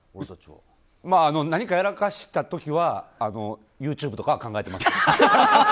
まあ、何かやらかした時はＹｏｕＴｕｂｅとかは考えてますけど。